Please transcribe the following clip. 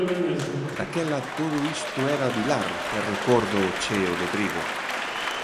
Daquela todo isto era vilar e recórdoo cheo de trigo.